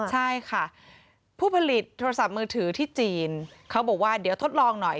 ใช่ค่ะผู้ผลิตโทรศัพท์มือถือที่จีนเขาบอกว่าเดี๋ยวทดลองหน่อย